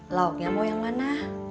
lauknya mau yang mana